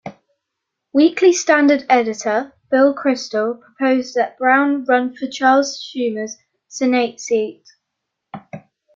Weekly Standard editor Bill Kristol proposed that Brown run for Charles Schumer's Senate seat.